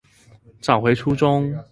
找回初衷